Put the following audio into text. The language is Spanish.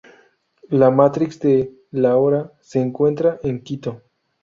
La matriz de "La Hora" se encuentra en Quito.